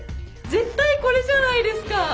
絶対これじゃないですか！